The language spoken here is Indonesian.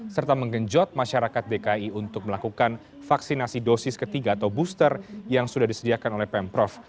serta menggenjot masyarakat dki untuk melakukan vaksinasi dosis ketiga atau booster yang sudah disediakan oleh pemprov